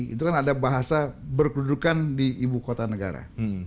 itu kan ada bahasa berkedudukan di ibu kota negara